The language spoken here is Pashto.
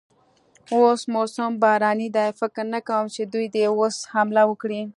اوس موسم باراني دی، فکر نه کوم چې دوی دې اوس حمله وکړي.